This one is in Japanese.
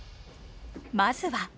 まずは。